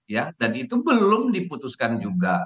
ya dan itu belum diputuskan juga